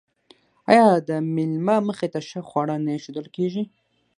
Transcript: آیا د میلمه مخې ته ښه خواړه نه ایښودل کیږي؟